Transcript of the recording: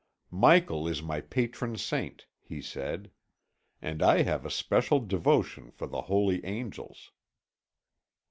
"Michael is my patron saint," he said. "And I have a special devotion for the Holy Angels."